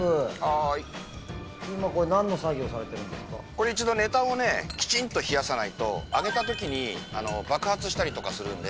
これ一度ネタをねきちんと冷やさないと揚げた時に爆発したりとかするんで。